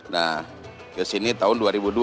nah kesini tahun dua ribu dua